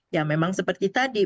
ya memang seperti tadi